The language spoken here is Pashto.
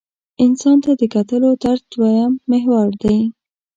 انسان ته د کتلو طرز دویم محور دی.